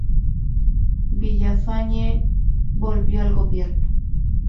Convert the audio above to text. Villafañe volvió al gobierno.